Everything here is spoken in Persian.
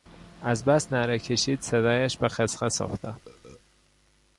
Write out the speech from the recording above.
از بس نعره کشید صدایش به خس خس افتاد.